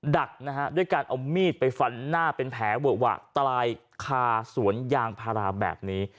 ดักนะฮะด้วยการเอามีดไปฟันหน้าเป็นแผลเวอะหวะตายคาสวนยางพาราแบบนี้